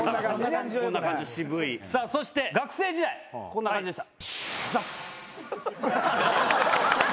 そして学生時代こんな感じでした。